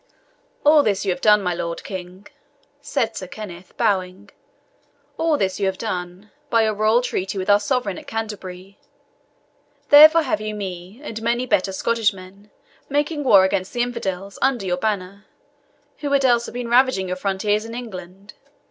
"All this you have done, my Lord King," said Sir Kenneth, bowing "all this you have done, by your royal treaty with our sovereign at Canterbury. Therefore have you me, and many better Scottish men, making war against the infidels, under your banners, who would else have been ravaging your frontiers in England.